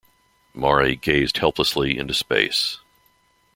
Maury gazed helplessly into space.